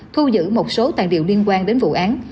thu giữ một số tàn điều liên quan đến vụ án